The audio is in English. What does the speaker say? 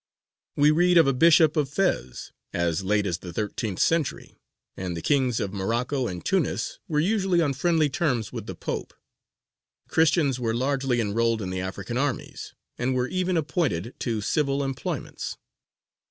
We read of a Bishop of Fez as late as the thirteenth century, and the Kings of Morocco and Tunis were usually on friendly terms with the Pope. Christians were largely enrolled in the African armies, and were even appointed to civil employments.